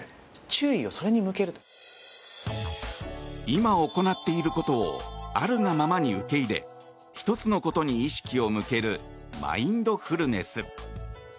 今行っていることをあるがままに受け入れ１つのことに意識を向けるマインドフルネス。